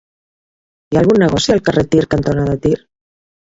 Hi ha algun negoci al carrer Tir cantonada Tir?